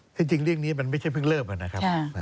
จริงเรื่องนี้มันไม่ใช่เพิ่งเริ่มนะครับ